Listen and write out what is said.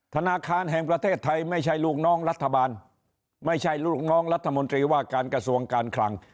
ธนาคารแห่งประเทศไทยไม่ใช่ลูกน้องรัฐบาลไม่ใช่ลูกน้องรัฐมนตรีว่าการกระทรวงการคลัง